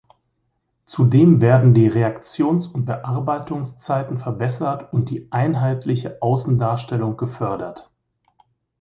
Zudem werden die Reaktions- und Bearbeitungszeiten verbessert und die einheitliche Außendarstellung gefördert.